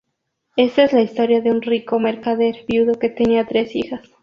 Esta es la historia de un rico mercader viudo que tenía tres hijas.